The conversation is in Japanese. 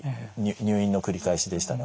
入院の繰り返しでしたね